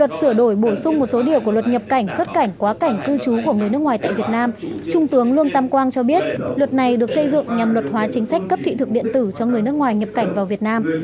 luật sửa đổi bổ sung một số điều của luật nhập cảnh xuất cảnh quá cảnh cư trú của người nước ngoài tại việt nam trung tướng lương tam quang cho biết luật này được xây dựng nhằm luật hóa chính sách cấp thị thực điện tử cho người nước ngoài nhập cảnh vào việt nam